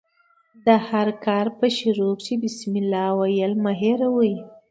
د هر کار په شروع کښي بسم الله ویل مه هېروئ!